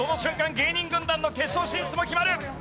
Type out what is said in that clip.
芸人軍団の決勝進出も決まる。